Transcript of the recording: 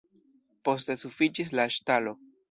Poste sufiĉis la ŝtalo.